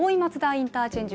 インターチェンジ